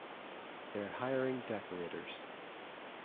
They’re hiring decorators.